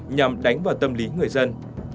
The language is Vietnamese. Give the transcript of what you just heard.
nhằm đánh vào tâm lý người dân